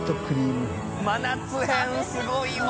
真夏編すごいわ！